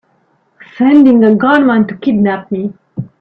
Sending a gunman to kidnap me!